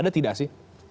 ada tidak sih